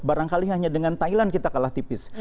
barangkali hanya dengan thailand kita kalah tipis